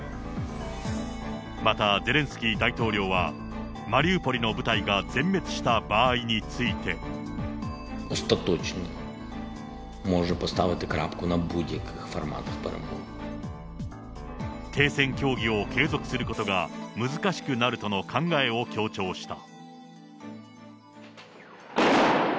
また、ゼレンスキー大統領は、マリウポリの部隊が全滅した場合について。停戦協議を継続することが難しくなるとの考えを強調した。